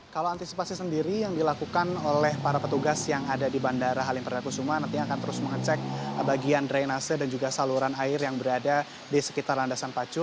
kalau antisipasi sendiri yang dilakukan oleh para petugas yang ada di bandara halim perdana kusuma nantinya akan terus mengecek bagian drainase dan juga saluran air yang berada di sekitar landasan pacu